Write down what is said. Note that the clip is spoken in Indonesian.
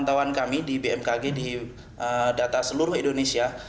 pantauan kami di bmkg di data seluruh indonesia